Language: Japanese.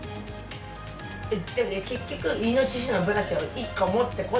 でも結局イノシシのブラシは１個持っとこう。